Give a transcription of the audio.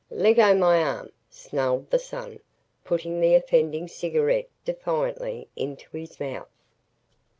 "Leggo my arm," snarled the "son," putting the offending cigarette defiantly into his mouth.